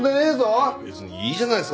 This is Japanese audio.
別にいいじゃないっすか。